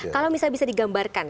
kalau bisa digambarkan